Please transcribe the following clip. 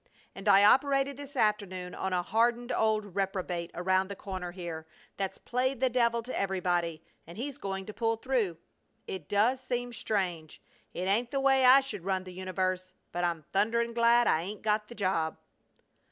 And I operated this afternoon on a hardened old reprobate around the corner here, that's played the devil to everybody, and he's going to pull through! It does seem strange. It ain't the way I should run the universe, but I'm thundering glad I 'ain't got the job!"